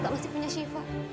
masih punya syifa